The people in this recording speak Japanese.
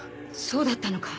そうだったのか。